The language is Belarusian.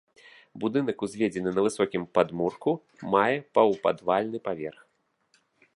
Будынак узведзены на высокім падмурку, мае паўпадвальны паверх.